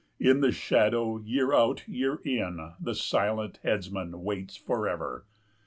70 In the shadow, year out, year in, The silent headsman waits forever.